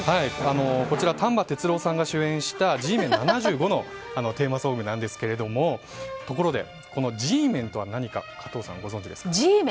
こちら丹波哲郎さんが主演した「Ｇメン’７５」のテーマソングなんですがところでＧメンとは何かご存知ですか？